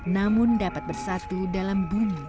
namun dapat bersatu dalam bumi